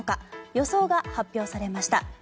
予想が発表されました。